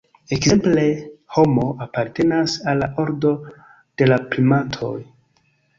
Ekzemple, "Homo" apartenas al la ordo de la primatoj.